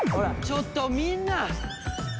ちょっとみんな！